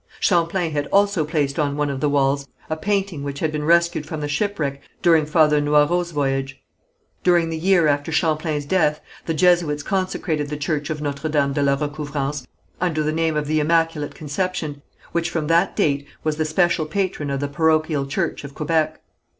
Champlain had also placed on one of the walls a painting which had been rescued from the shipwreck during Father Noyrot's voyage. During the year after Champlain's death, the Jesuits consecrated the church of Notre Dame de la Recouvrance under the name of the Immaculate Conception, which from that date was the special patron of the parochial church of Quebec.